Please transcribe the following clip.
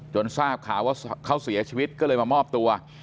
ทราบข่าวว่าเขาเสียชีวิตก็เลยมามอบตัว